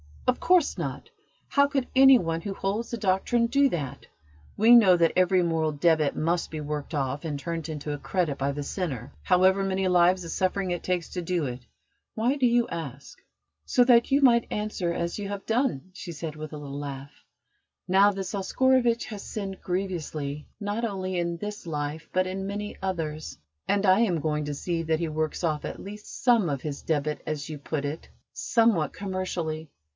"Of course not! How could any one who holds the Doctrine do that? We know that every moral debit must be worked off and turned into a credit by the sinner, however many lives of suffering it takes to do it. Why do you ask?" "So that you might answer as you have done!" she said, with a little laugh. "Now this Oscarovitch has sinned grievously, not only in this life but in many others, and I am going to see that he works off at least some of his debit as you put it somewhat commercially.